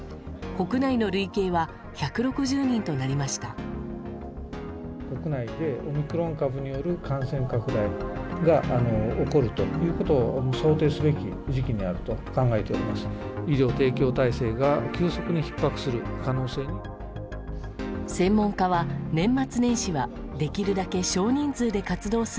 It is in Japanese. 国内でオミクロン株による感染拡大が起こるということを想定すべき時期にあると考えております。